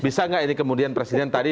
bisa nggak ini kemudian presiden tadi